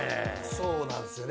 そうなんですよね。